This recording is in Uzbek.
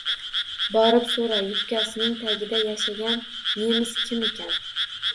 Borib so`ra, yubkasining tagida yashagan nemis kim ekan